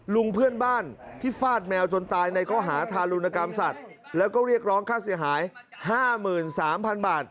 ลุงเพื่อนบ้านที่ฟาดแมวจนตายในข้อหาทารุณกรรมสัตว์แล้วก็เรียกร้องค่าเสียหาย๕๓๐๐๐บาท